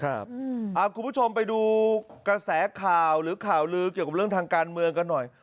คุณผู้ชมไปดูกระแสข่าวหรือข่าวลือเกี่ยวกับเรื่องทางการเมืองกันหน่อย